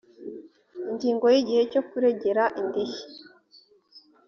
ingingo ya igihe cyo kuregera indishyi